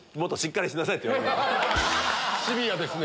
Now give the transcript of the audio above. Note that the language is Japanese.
シビアですね。